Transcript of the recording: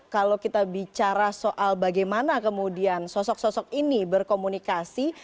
kalau kita bicara soal bagaimana kemudian sosok sosok ini berkomunikasi